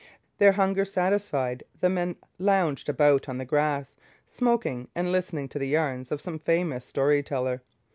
Their hunger satisfied, the men lounged about on the grass, smoking and listening to the yarns of some famous story teller.